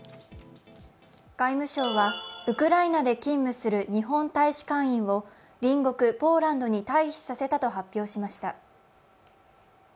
外務省はウクライナで勤務する日本大使館員を退避させたと発表しました。